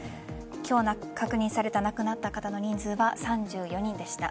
今日確認された亡くなった方の人数は３４人でした。